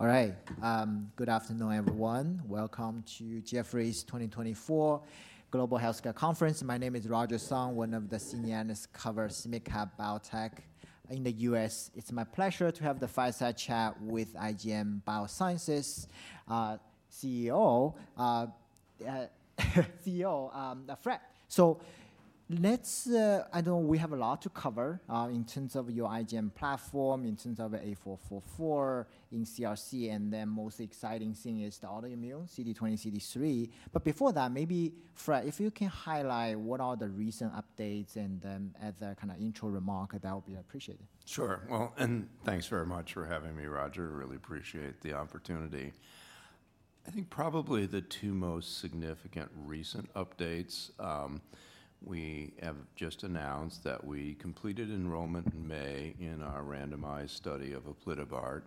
All right. Good afternoon, everyone. Welcome to Jefferies 2024 Global Healthcare Conference. My name is Roger Song, one of the senior analysts covers mid-cap biotech in the US. It's my pleasure to have the fireside chat with IGM Biosciences CEO Fred. So let's. I know we have a lot to cover in terms of your IgM platform, in terms of 8444, in CRC, and then most exciting thing is the autoimmune CD20/CD3. But before that, maybe Fred, if you can highlight what are the recent updates, and then as a kind of intro remark, that would be appreciated. Sure. Well, and thanks very much for having me, Roger. Really appreciate the opportunity. I think probably the two most significant recent updates, we have just announced that we completed enrollment in May in our randomized study of aplitabart,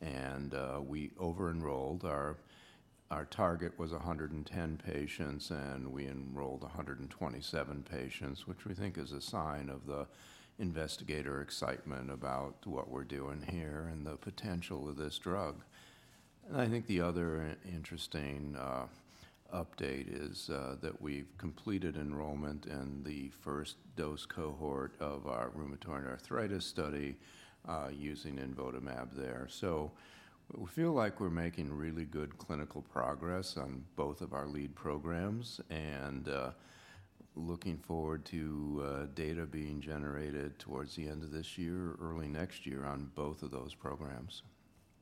and we over-enrolled. Our target was 110 patients, and we enrolled 127 patients, which we think is a sign of the investigator excitement about what we're doing here and the potential of this drug. And I think the other interesting update is that we've completed enrollment in the first dose cohort of our rheumatoid arthritis study using imvotamab there. So we feel like we're making really good clinical progress on both of our lead programs, and looking forward to data being generated towards the end of this year or early next year on both of those programs.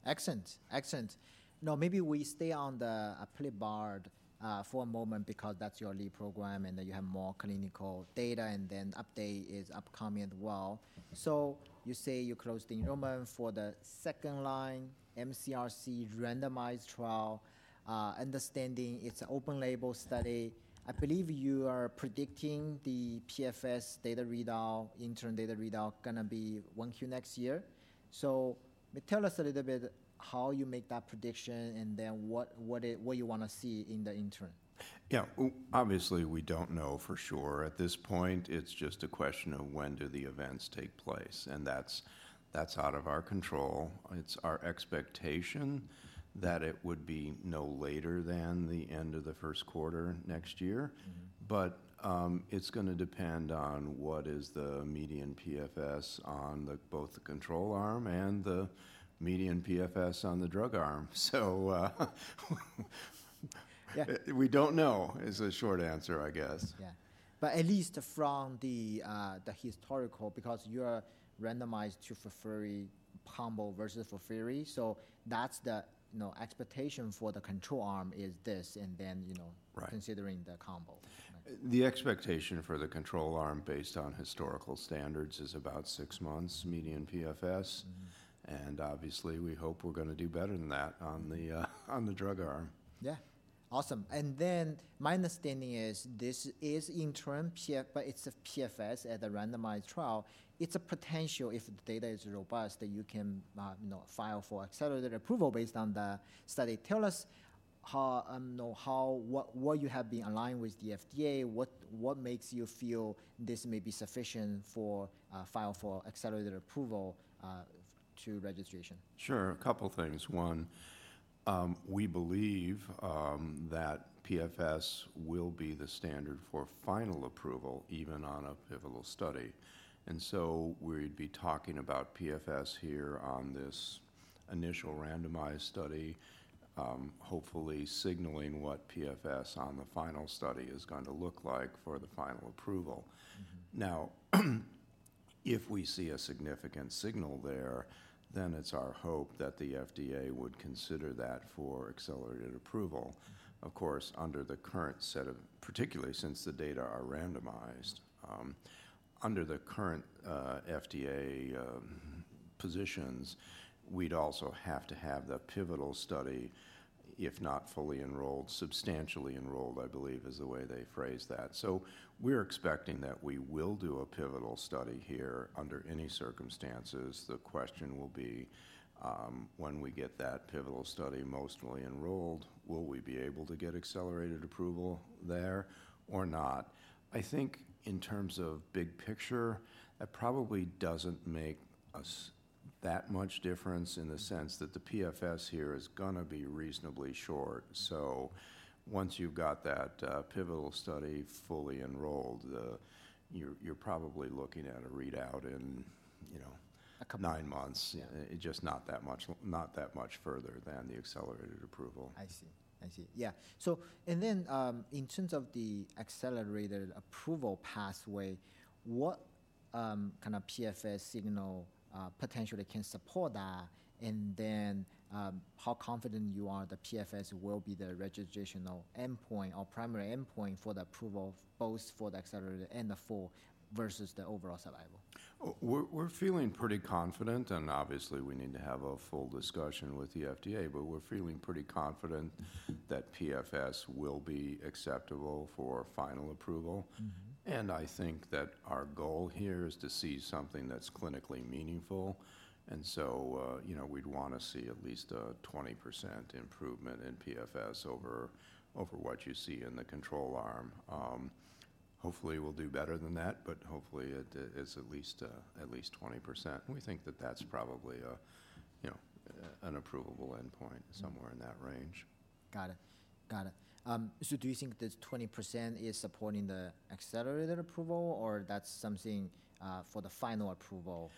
Excellent, excellent. Now, maybe we stay on the aplitabart for a moment because that's your lead program, and then you have more clinical data, and then update is upcoming as well. So you say you closed the enrollment for the second line mCRC randomized trial, understanding it's an open-label study. I believe you are predicting the PFS data readout, interim data readout, gonna be 1Q next year. So tell us a little bit how you make that prediction, and then what, what it, what you wanna see in the interim. Yeah. Obviously, we don't know for sure. At this point, it's just a question of when do the events take place, and that's, that's out of our control. It's our expectation that it would be no later than the end of the first quarter next year. But, it's gonna depend on what is the median PFS on the, both the control arm and the median PFS on the drug arm. So. Yeah We don't know, is the short answer, I guess. Yeah. But at least from the historical, because you are randomized to FOLFIRI combo versus FOLFIRI, so that's the, you know, expectation for the control arm is this, and then, you know. Right Considering the combo. The expectation for the control arm, based on historical standards, is about six months median PFS. Obviously, we hope we're gonna do better than that on the, on the drug arm. Yeah. Awesome. And then my understanding is this is interim PFS, but it's a PFS at the randomized trial. It's a potential if the data is robust, that you can, you know, file for accelerated approval based on the study. Tell us how you know what you have been aligned with the FDA, what makes you feel this may be sufficient to file for accelerated approval to registration? Sure. A couple things. One, we believe that PFS will be the standard for final approval, even on a pivotal study, and so we'd be talking about PFS here on this initial randomized study, hopefully signaling what PFS on the final study is going to look like for the final approval. Now, if we see a significant signal there, then it's our hope that the FDA would consider that for accelerated approval. Of course, under the current set of, particularly since the data are randomized, under the current, FDA positions, we'd also have to have the pivotal study, if not fully enrolled, substantially enrolled, I believe is the way they phrased that. So we're expecting that we will do a pivotal study here under any circumstances. The question will be, when we get that pivotal study mostly enrolled, will we be able to get accelerated approval there or not? I think in terms of big picture, it probably doesn't make that much difference in the sense that the PFS here is gonna be reasonably short. So once you've got that, pivotal study fully enrolled, you're probably looking at a readout in, you know. Nine months. Yeah, just not that much further than the accelerated approval. I see. I see. Yeah. So and then, in terms of the accelerated approval pathway, what kind of PFS signal potentially can support that? And then, how confident you are the PFS will be the registrational endpoint or primary endpoint for the approval, both for the accelerated and the full, versus the overall survival? We're feeling pretty confident, and obviously, we need to have a full discussion with the FDA, but we're feeling pretty confident that PFS will be acceptable for final approval. I think that our goal here is to see something that's clinically meaningful, and so, you know, we'd wanna see at least a 20% improvement in PFS over what you see in the control arm. Hopefully we'll do better than that, but hopefully it is at least 20%. We think that that's probably a, you know, an approvable endpoint somewhere in that range. Got it. Got it. So do you think this 20% is supporting the accelerated approval, or that's something for the final approval,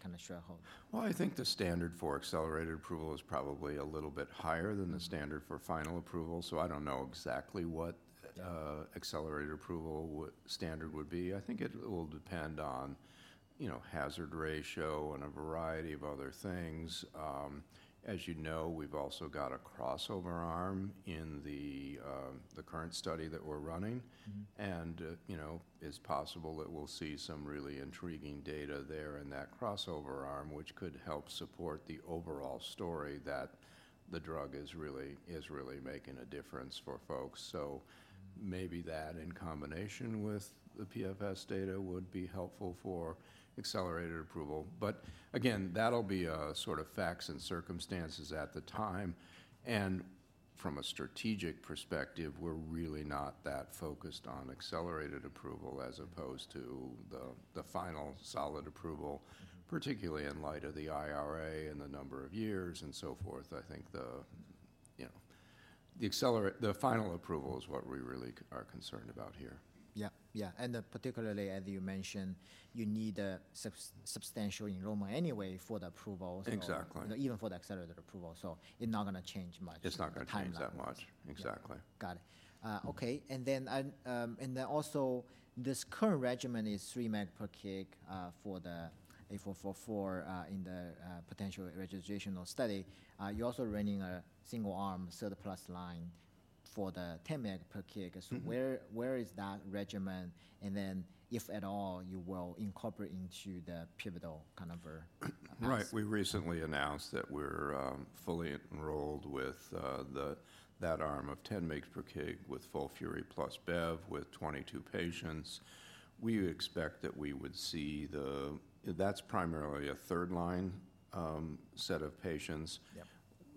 kind of threshold? Well, I think the standard for accelerated approval is probably a little bit higher than the standard for final approval, so I don't know exactly what accelerated approval standard would be. I think it will depend on, you know, hazard ratio and a variety of other things. As you know, we've also got a crossover arm in the current study that we're running. You know, it's possible that we'll see some really intriguing data there in that crossover arm, which could help support the overall story that the drug is really making a difference for folks. So maybe that, in combination with the PFS data, would be helpful for accelerated approval. But again, that'll be a sort of facts and circumstances at the time, and from a strategic perspective, we're really not that focused on accelerated approval as opposed to the final solid approval, particularly in light of the IRA and the number of years and so forth. I think the, you know, the final approval is what we really are concerned about here. Yeah. Yeah, and particularly as you mentioned, you need a substantial enrollment anyway for the approval. Exactly. Even for the accelerated approval, it not gonna change much. It's not gonna change that much. The timeline. Exactly. Got it. Okay, and then also, this current regimen is 3 mg per kg for the 8444 in the potential registrational study. You're also running a single-arm third-plus line for the 10 mg per kg. So where, where is that regimen? And then, if at all, you will incorporate into the pivotal kind of analysis. Right. We recently announced that we're fully enrolled with that arm of 10 mgs per kg with FOLFIRI plus Bev with 22 patients. We expect that we would see the. That's primarily a third line set of patients.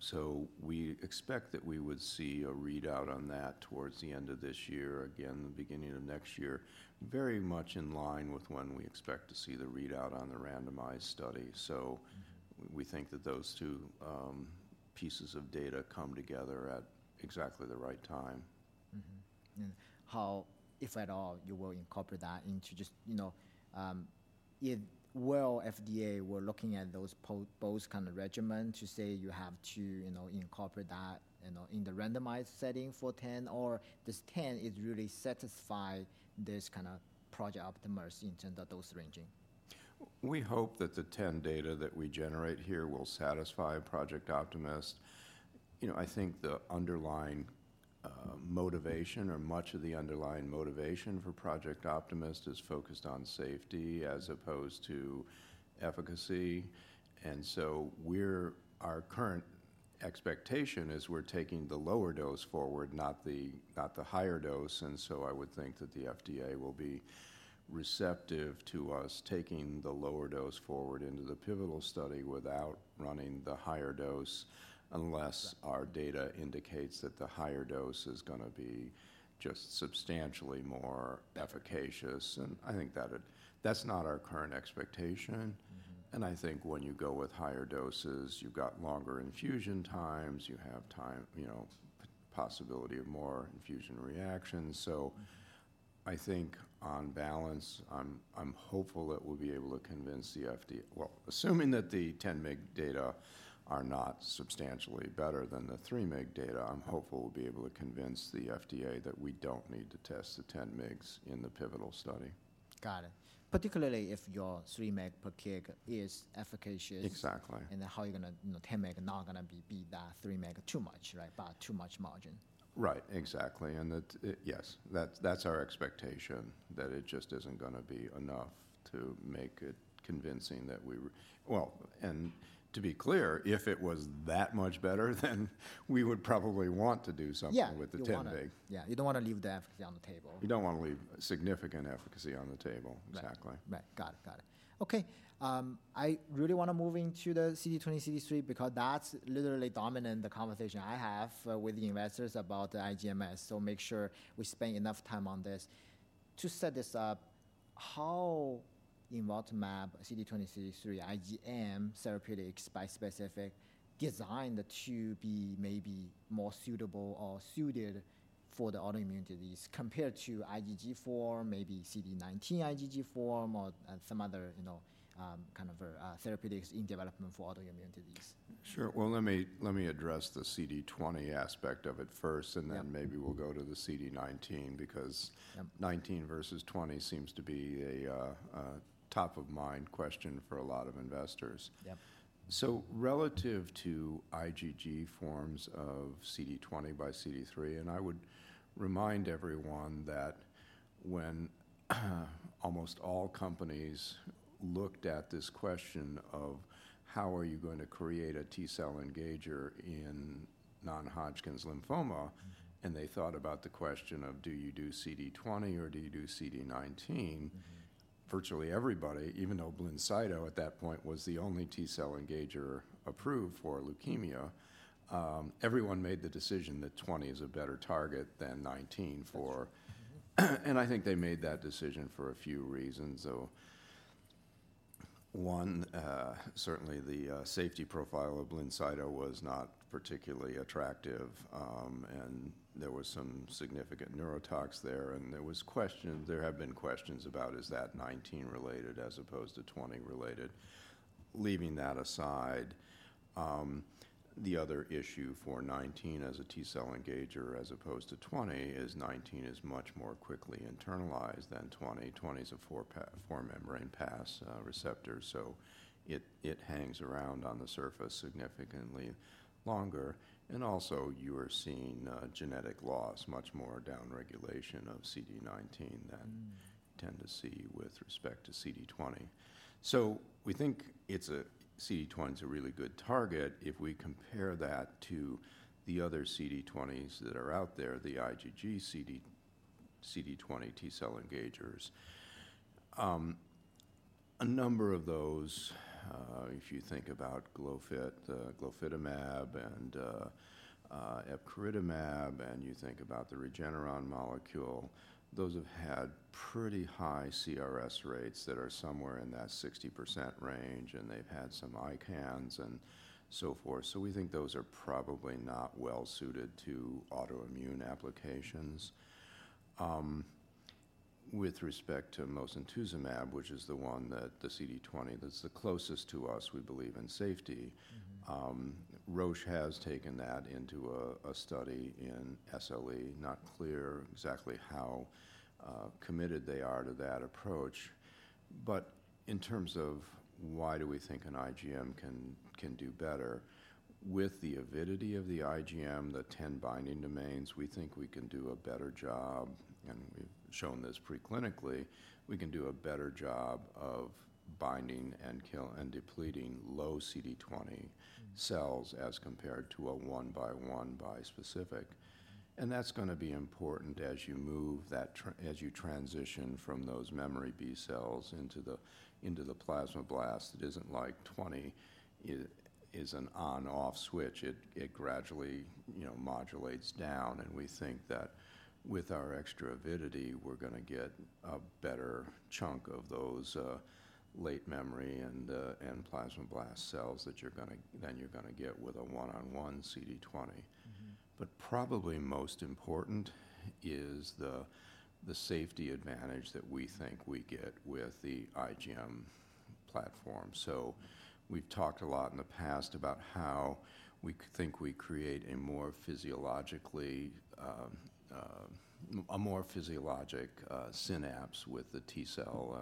Yep. So we expect that we would see a readout on that towards the end of this year, again, the beginning of next year, very much in line with when we expect to see the readout on the randomized study. So we think that those two pieces of data come together at exactly the right time. Mm-hmm. And how, if at all, you will incorporate that into just, you know, if, well, FDA were looking at those both kind of regimen to say you have to, you know, incorporate that, you know, in the randomized setting for 10 or this 10 is really satisfy this kind of Project Optimus in terms of dose ranging? We hope that the 10 data that we generate here will satisfy Project Optimus. You know, I think the underlying motivation or much of the underlying motivation for Project Optimus is focused on safety as opposed to efficacy, and so our current expectation is we're taking the lower dose forward, not the higher dose, and so I would think that the FDA will be receptive to us taking the lower dose forward into the pivotal study without running the higher dose, unless. Right Our data indicates that the higher dose is gonna be just substantially more efficacious, and I think that that's not our current expectation. I think when you go with higher doses, you've got longer infusion times, you have time, you know, possibility of more infusion reactions. So I think on balance, I'm hopeful that we'll be able to convince the FDA. Well, assuming that the 10 mg data are not substantially better than the 3 mg data, I'm hopeful we'll be able to convince the FDA that we don't need to test the 10 mgs in the pivotal study. Got it. Particularly if your 3 mg per kg is efficacious. Exactly And then how you gonna, you know, 10 mg not gonna be beat that 3 mg too much, right? By too much margin. Right. Exactly, and it, yes, that's our expectation, that it just isn't gonna be enough to make it convincing that we, well, and to be clear, if it was that much better, then we would probably want to do something. Yeah With the 10 mg. We wanna, yeah. You don't wanna leave the efficacy on the table. You don't wanna leave significant efficacy on the table. Right. Exactly. Right. Got it. Got it. Okay, I really wanna move into the CD20, CD3, because that's literally dominant the conversation I have with the investors about the IgMs, so make sure we spend enough time on this. To set this up, how imvotamab CD20, CD3 IgM therapeutics bispecific designed to be maybe more suitable or suited for the autoimmune disease, compared to IgG4, maybe CD19 IgG form or some other, you know, kind of therapeutics in development for autoimmune disease? Sure. Well, let me address the CD20 aspect of it first. Yeah And then maybe we'll go to the CD19, because. Yep 19 versus 20 seems to be a top-of-mind question for a lot of investors. Yep. So relative to IgG forms of CD20 x CD3, and I would remind everyone that when almost all companies looked at this question of how are you going to create a T-cell engager in non-Hodgkin's lymphoma? And they thought about the question of, do you do CD20 or do you do CD19? virtually everybody, even though Blincyto at that point was the only T-cell engager approved for leukemia, everyone made the decision that 20 is a better target than 19 for. That's right. Mm-hmm. And I think they made that decision for a few reasons. One, certainly the safety profile of Blincyto was not particularly attractive, and there was some significant neurotoxicity there, and there have been questions about, is that CD19 related as opposed to CD20 related? Leaving that aside, the other issue for CD19 as a T-cell engager, as opposed to CD20, is CD19 is much more quickly internalized than CD20. CD20 is a four-pass membrane receptor, so it hangs around on the surface significantly longer, and also you are seeing antigenic loss, much more downregulation of CD19 than. Tend to see with respect to CD20. So we think it's a. CD20's a really good target. If we compare that to the other CD20s that are out there, the IgG CD20 T cell engagers. A number of those, if you think about glofitamab, and epcoritamab, and you think about the Regeneron molecule, those have had pretty high CRS rates that are somewhere in that 60% range, and they've had some ICANS and so forth. So we think those are probably not well suited to autoimmune applications. With respect to mosunetuzumab, which is the one that the CD20 that's the closest to us, we believe in safety. Roche has taken that into a study in SLE. Not clear exactly how committed they are to that approach. But in terms of why do we think an IgM can do better, with the avidity of the IgM, the 10 binding domains, we think we can do a better job, and we've shown this preclinically, we can do a better job of binding and killing and depleting low CD20 cells as compared to a 1-by-1 bispecific. And that's gonna be important as you transition from those memory B cells into the plasmablast. It isn't like 20 is an on/off switch. It gradually, you know, modulates down, and we think that with our extra avidity, we're gonna get a better chunk of those late memory and plasmablast cells that you're gonna get than you're gonna get with a 1-on-1 CD20. But probably most important is the safety advantage that we think we get with the IgM platform. So we've talked a lot in the past about how we think we create a more physiologic synapse with the T cell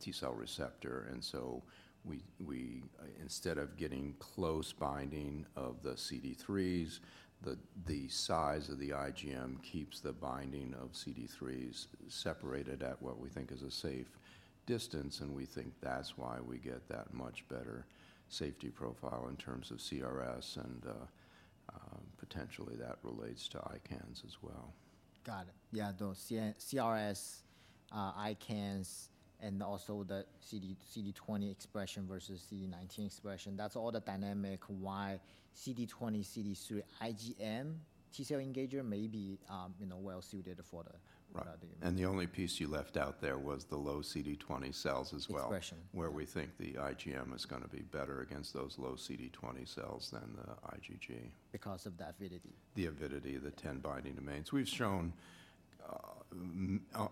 T cell receptor. And so we instead of getting close binding of the CD3s, the size of the IgM keeps the binding of CD3s separated at what we think is a safe distance, and we think that's why we get that much better safety profile in terms of CRS and potentially that relates to ICANS as well. Got it. Yeah, the CRS, ICANS, and also the CD20 expression versus CD19 expression, that's all the dynamic why CD20, CD3 IgM T-cell engager may be, you know, well suited for the. Right Autoimmune. The only piece you left out there was the low CD20 cells as well. Expression. Where we think the IgM is gonna be better against those low CD20 cells than the IgG. Because of the avidity. The avidity, the 10 binding domains. We've shown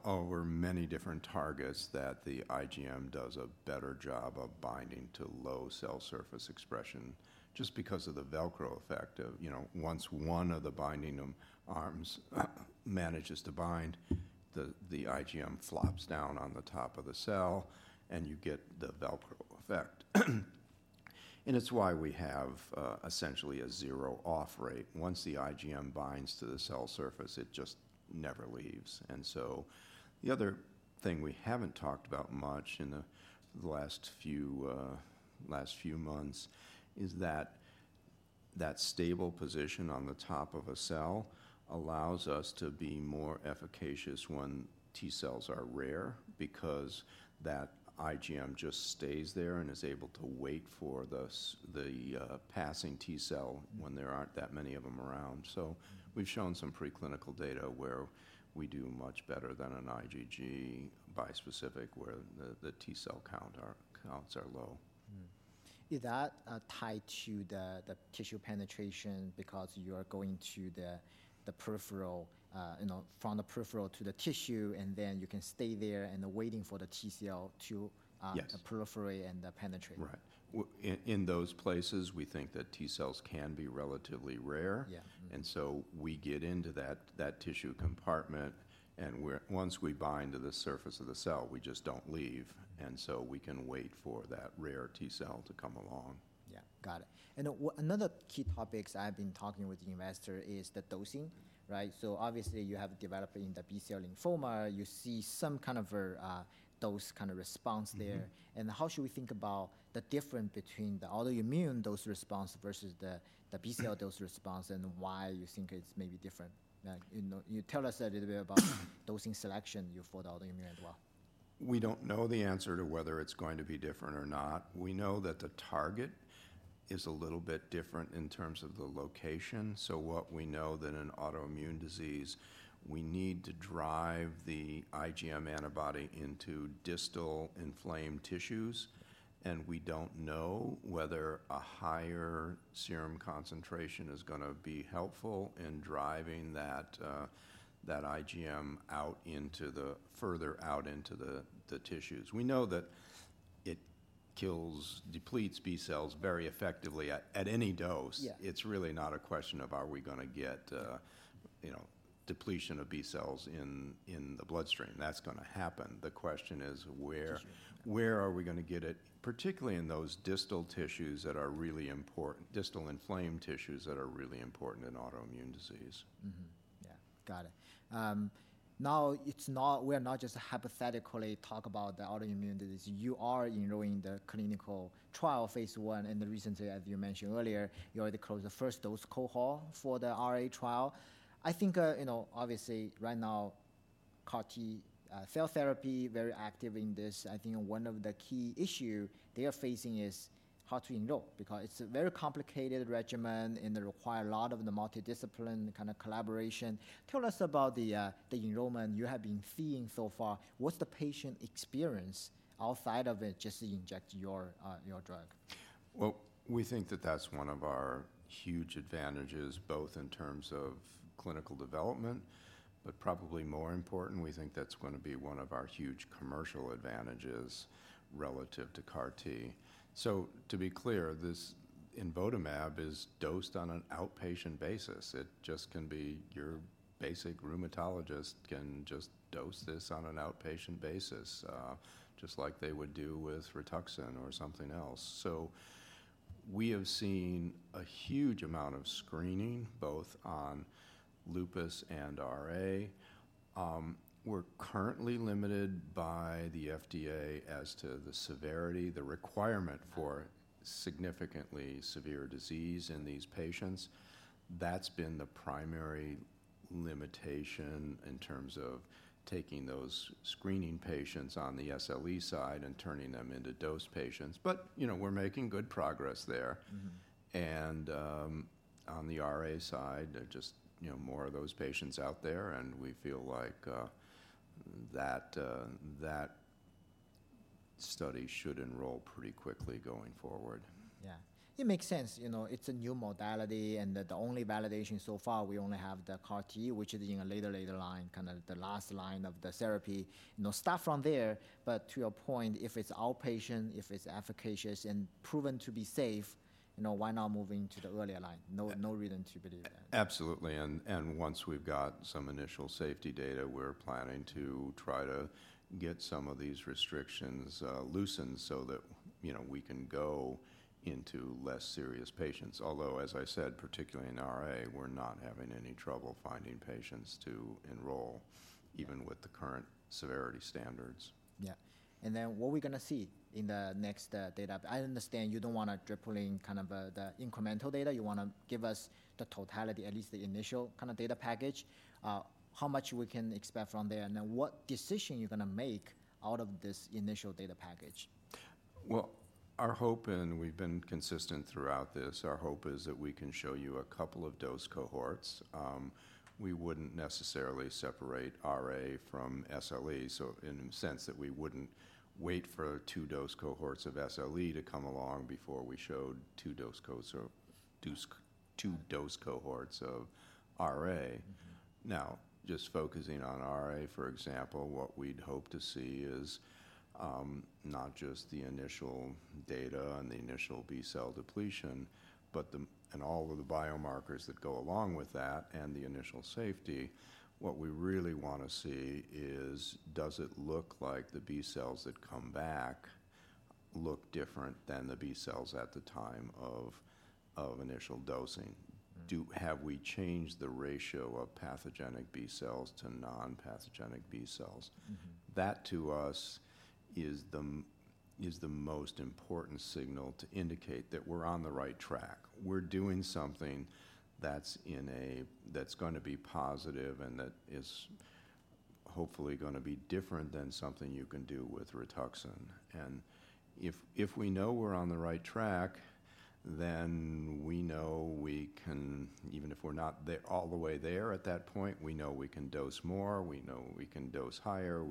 over many different targets that the IgM does a better job of binding to low cell surface expression just because of the Velcro effect of, you know. Once one of the binding arms manages to bind, the IgM flops down on the top of the cell, and you get the Velcro effect. And it's why we have essentially a 0 off rate. Once the IgM binds to the cell surface, it just never leaves. The other thing we haven't talked about much in the last few months is that that stable position on the top of a cell allows us to be more efficacious when T cells are rare, because that IgM just stays there and is able to wait for the passing T cell when there aren't that many of them around. So we've shown some preclinical data where we do much better than an IgG bispecific, where the T cell counts are low. Is that tied to the tissue penetration because you are going to the peripheral, you know, from the peripheral to the tissue, and then you can stay there and waiting for the T cell to. Yes Perforate and penetrate? Right. In those places, we think that T cells can be relatively rare. Yeah. Mm-hmm. And so we get into that, that tissue compartment. Once we bind to the surface of the cell, we just don't leave, and so we can wait for that rare T cell to come along. Yeah. Got it. And another key topics I've been talking with the investor is the dosing, right? So obviously, you have developed it in the BCL lymphoma. You see some kind of dose kind of response there. How should we think about the difference between the autoimmune dose response versus the BCL dose response, and why you think it's maybe different? Like, you know, you tell us a little bit about dosing selection you for the autoimmune as well. We don't know the answer to whether it's going to be different or not. We know that the target is a little bit different in terms of the location, so what we know that in autoimmune disease, we need to drive the IgM antibody into distal inflamed tissues, and we don't know whether a higher serum concentration is gonna be helpful in driving that IgM further out into the tissues. We know that it kills, depletes B cells very effectively at any dose. Yeah. It's really not a question of are we gonna get, you know, depletion of B cells in the bloodstream. That's gonna happen. The question is Where are we gonna get it, particularly in those distal tissues that are really important, distal inflamed tissues that are really important in autoimmune disease? Mm-hmm. Yeah, got it. Now it's not—we are not just hypothetically talk about the autoimmune disease. You are enrolling the clinical trial phase I, and the reasons, as you mentioned earlier, you already closed the first dose cohort for the RA trial. I think, you know, obviously right now, CAR T cell therapy very active in this. I think one of the key issue they are facing is how to enroll, because it's a very complicated regimen, and it require a lot of the multidisciplinary kind of collaboration. Tell us about the enrollment you have been seeing so far. What's the patient experience outside of it, just to inject your drug? Well, we think that that's one of our huge advantages, both in terms of clinical development, but probably more important, we think that's gonna be one of our huge commercial advantages relative to CAR T. So to be clear, this imvotamab is dosed on an outpatient basis. It just can be your basic rheumatologist can just dose this on an outpatient basis, just like they would do with Rituxan or something else. So we have seen a huge amount of screening, both on lupus and RA. We're currently limited by the FDA as to the severity, the requirement for significantly severe disease in these patients. That's been the primary limitation in terms of taking those screening patients on the SLE side and turning them into dose patients. But, you know, we're making good progress there. Mm-hmm. On the RA side, there are just, you know, more of those patients out there, and we feel like that study should enroll pretty quickly going forward. Yeah. It makes sense. You know, it's a new modality, and the only validation so far, we only have the CAR T, which is in a later line, kind of the last line of the therapy. You know, start from there, but to your point, if it's outpatient, if it's efficacious and proven to be safe, you know, why not move into the earlier line? No, no reason to believe that. Absolutely, and once we've got some initial safety data, we're planning to try to get some of these restrictions loosened so that, you know, we can go into less serious patients. Although, as I said, particularly in RA, we're not having any trouble finding patients to enroll even with the current severity standards. Yeah. And then what we're gonna see in the next data? I understand you don't wanna dribbling kind of the incremental data. You wanna give us the totality, at least the initial kind of data package. How much we can expect from there? And then what decision you're gonna make out of this initial data package? Well, our hope, and we've been consistent throughout this, our hope is that we can show you a couple of dose cohorts. We wouldn't necessarily separate RA from SLE, so in the sense that we wouldn't wait for two dose cohorts of SLE to come along before we showed two dose cohorts of RA. Now, just focusing on RA, for example, what we'd hope to see is not just the initial data and the initial B cell depletion, but and all of the biomarkers that go along with that and the initial safety. What we really wanna see is, does it look like the B cells that come back look different than the B cells at the time of initial dosing. Have we changed the ratio of pathogenic B cells to non-pathogenic B cells? Mm-hmm. That, to us, is the most important signal to indicate that we're on the right track. We're doing something that's gonna be positive and that is hopefully gonna be different than something you can do with Rituxan. And if we know we're on the right track, then we know we can. Even if we're not there all the way there at that point, we know we can dose more, we know we can dose higher,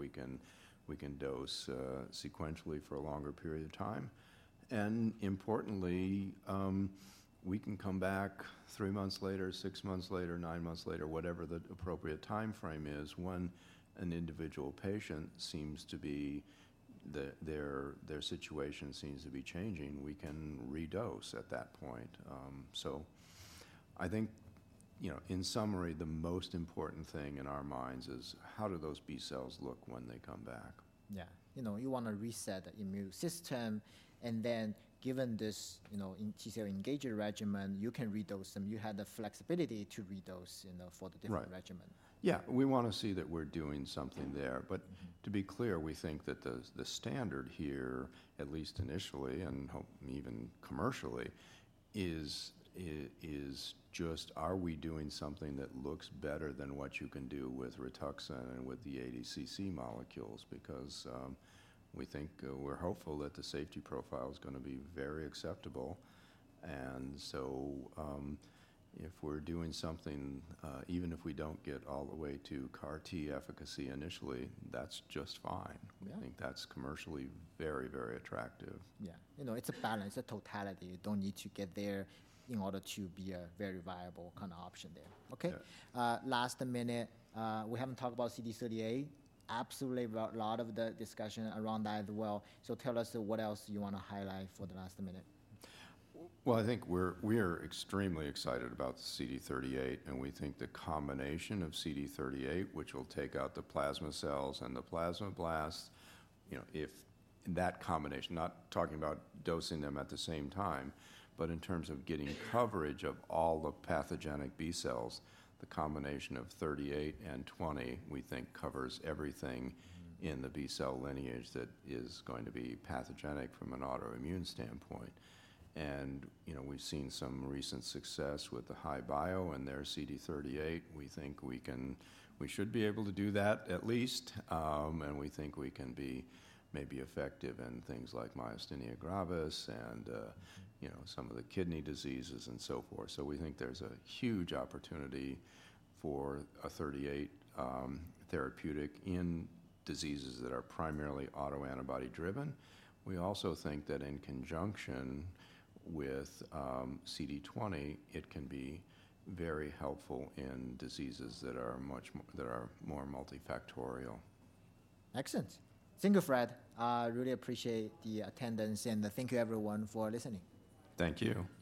we can dose sequentially for a longer period of time. And importantly, we can come back three months later, six months later, nine months later, whatever the appropriate timeframe is. When an individual patient seems to be their situation seems to be changing, we can redose at that point. So I think, you know, in summary, the most important thing in our minds is how do those B cells look when they come back? Yeah. You know, you wanna reset the immune system, and then given this, you know, T-cell engager regimen, you can redose them. You have the flexibility to redose, you know, for the different. Right Regimen. Yeah. We wanna see that we're doing something there. Yeah. But to be clear, we think that the standard here, at least initially, and hope even commercially is. Just are we doing something that looks better than what you can do with Rituxan and with the ADCC molecules? Because we think we're hopeful that the safety profile is gonna be very acceptable. And so, if we're doing something, even if we don't get all the way to CAR T efficacy initially, that's just fine. Yeah. We think that's commercially very, very attractive. Yeah. You know, it's a balance, a totality. You don't need to get there in order to be a very viable kind of option there. Okay? Yeah. Last minute, we haven't talked about CD38. Absolutely, a lot of the discussion around that as well. So tell us what else you wanna highlight for the last minute. Well, I think we are extremely excited about CD38, and we think the combination of CD38, which will take out the plasma cells and the plasmablasts, you know, if that combination. Not talking about dosing them at the same time, but in terms of getting coverage of all the pathogenic B cells, the combination of 38 and 20, we think covers everything. In the B-cell lineage that is going to be pathogenic from an autoimmune standpoint. And, you know, we've seen some recent success with the HI-Bio and their CD38. We think we can—we should be able to do that at least. And we think we can be maybe effective in things like myasthenia gravis and, you know, some of the kidney diseases and so forth. So we think there's a huge opportunity for a CD38 therapeutic in diseases that are primarily autoantibody-driven. We also think that in conjunction with CD20, it can be very helpful in diseases that are much more multifactorial. Excellent! Thank you, Fred. I really appreciate the attendance, and thank you, everyone, for listening. Thank you.